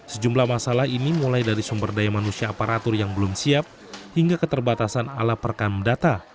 sejumlah masalah ini mulai dari sumber daya manusia aparatur yang belum siap hingga keterbatasan ala perekam data